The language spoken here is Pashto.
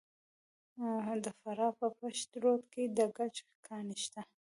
د فراه په پشت رود کې د ګچ کان شته.